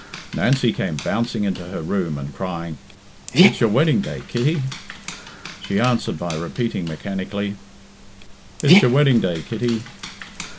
Nancy came bouncing into her room and crying, "It's your wedding day, Kitty!" She answered by repeating mechanically, "It's your wedding day, Kitty."